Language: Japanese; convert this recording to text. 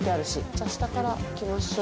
じゃあ下から行きましょう。